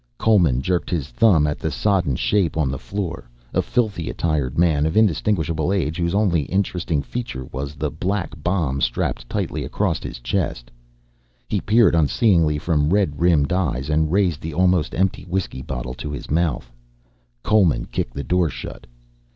Coleman jerked his thumb at the sodden shape on the floor; a filthily attired man of indistinguishable age whose only interesting feature was the black bomb strapped tightly across his chest. He peered unseeingly from red rimmed eyes and raised the almost empty whiskey bottle to his mouth. Coleman kicked the door shut.